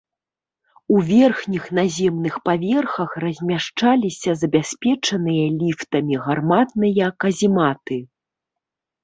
У верхніх наземных паверхах размяшчаліся забяспечаныя ліфтамі гарматныя казематы.